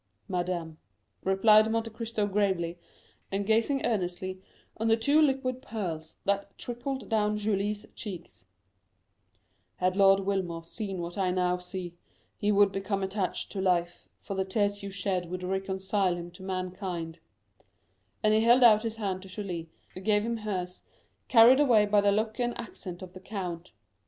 "Madame," replied Monte Cristo gravely, and gazing earnestly on the two liquid pearls that trickled down Julie's cheeks, "had Lord Wilmore seen what I now see, he would become attached to life, for the tears you shed would reconcile him to mankind;" and he held out his hand to Julie, who gave him hers, carried away by the look and accent of the count.